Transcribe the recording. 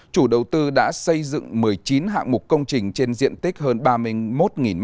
chủ đầu tư đã xây dựng một mươi chín hạng mục công trình trên diện tích hơn ba mươi một m hai